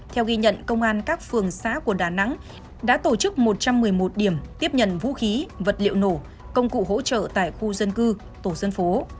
theo ghi nhận công an các phường xã của đà nẵng đã tổ chức một trăm một mươi một điểm tiếp nhận vũ khí vật liệu nổ công cụ hỗ trợ tại khu dân cư tổ dân phố